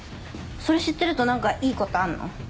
それ知ってると何かいいことあんの？